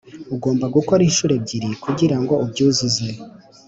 ugomba gukora inshuro ebyiri kugirango ubyuzuze. '